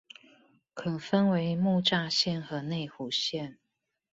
可分為木柵線和內湖線